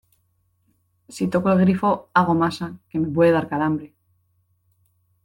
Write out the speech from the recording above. si toco el grifo, hago masa , que me puede dar calambre